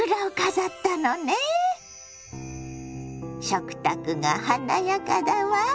食卓が華やかだわ！